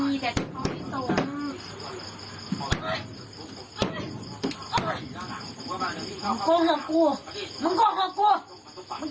มันบอกว่ามันจะส่งไปซะเนี่ย